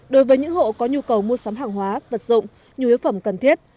đối với những hộ có nhu cầu mua sắm hàng hóa vật dụng nhu yếu phẩm cần thiết